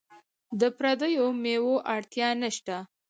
د پردیو میوو اړتیا نشته.